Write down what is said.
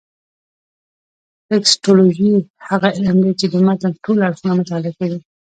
ټکسټولوجي هغه علم دﺉ، چي د متن ټول اړخونه مطالعه کوي.